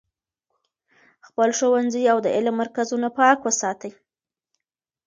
خپل ښوونځي او د علم مرکزونه پاک وساتئ.